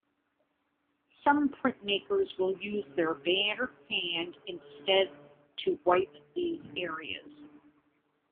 Some printmakers will use their bare hand instead to wipe these areas.